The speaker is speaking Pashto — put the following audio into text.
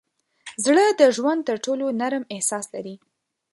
زړه د ژوند تر ټولو نرم احساس لري.